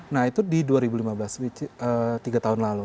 nah itu di dua ribu lima belas tiga tahun lalu